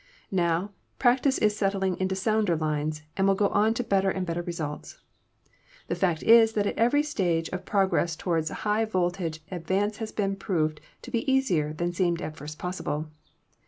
Now, practice is settling into sounder lines and will go on to better and better results. The fact is that at every stage of progress toward high voltage advance has proved to be easier than seemed at first possible.